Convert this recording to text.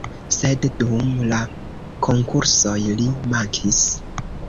Sed dum la konkursoj li mankis.